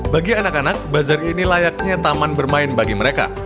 bagi anak anak bazar ini layaknya taman bermain bagi mereka